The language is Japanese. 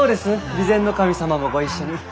備前守様もご一緒に。